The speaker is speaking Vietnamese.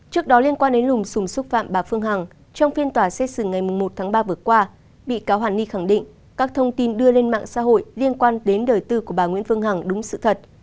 trước đó liên quan đến lùm xùm xúc phạm bà phương hằng trong phiên tòa xét xử ngày một tháng ba vừa qua bị cáo hàn ni khẳng định các thông tin đưa lên mạng xã hội liên quan đến đời tư của bà nguyễn phương hằng đúng sự thật